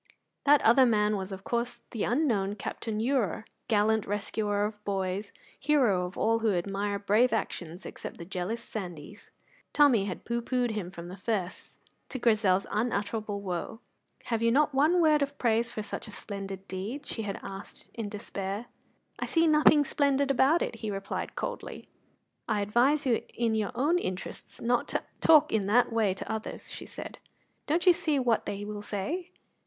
That other man was, of course, the unknown Captain Ure, gallant rescuer of boys, hero of all who admire brave actions except the jealous Sandys. Tommy had pooh poohed him from the first, to Grizel's unutterable woe. "Have you not one word of praise for such a splendid deed?" she had asked in despair. "I see nothing splendid about it," he replied coldly. "I advise you in your own interests not to talk in that way to others," she said. "Don't you see what they will say?"